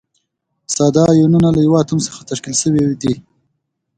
ساده ایونونه له یوه اتوم څخه تشکیل شوي دي.